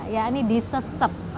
ya ini disesep